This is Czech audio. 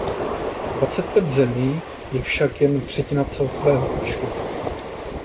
Dvacet pět zemí je však jen třetina celkového počtu.